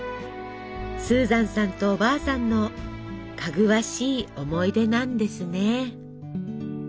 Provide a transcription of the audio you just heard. スーザンさんとおばあさんのかぐわしい思い出なんですね。